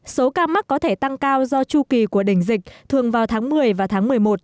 số ca mắc có thể tăng cao do chu kỳ của đỉnh dịch thường vào tháng một mươi và tháng một mươi một